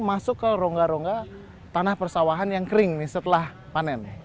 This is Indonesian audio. masuk ke rongga rongga tanah persawahan yang kering nih setelah panen